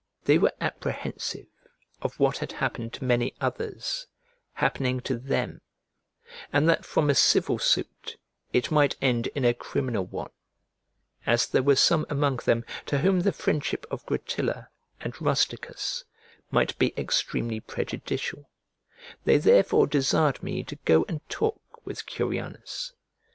They were apprehensive of what had happened to many others, happening to them, and that from a civil suit it might end in a criminal one, as there were some among them to whom the friendship of Gratilla and Rusticus might be extremely prejudicial: they therefore desired me to go and talk with Curianus.